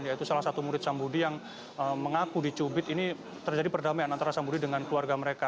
yaitu salah satu murid sam budi yang mengaku dicubit ini terjadi perdamaian antara sam budi dengan keluarga mereka